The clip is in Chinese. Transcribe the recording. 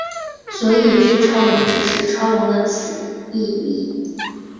所以巨超龙只是超龙的次异名。